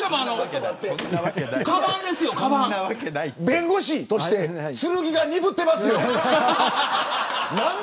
弁護士として剣が鈍ってますよ。